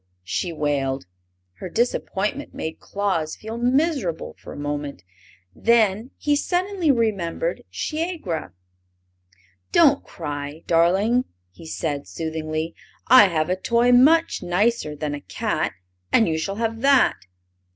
she wailed. Her disappointment made Claus feel miserable for a moment. Then he suddenly remembered Shiegra. "Don't cry, darling!" he said, soothingly; "I have a toy much nicer than a cat, and you shall have that."